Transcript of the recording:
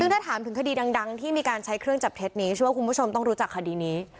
ซึ่งถ้าถามถึงคดีดังที่มีการใช้เครื่องจับเท็จนี้เชื่อว่าคุณผู้ชมต้องรู้จักคดีนี้